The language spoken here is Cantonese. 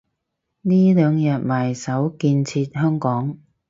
呢兩日埋首建設香港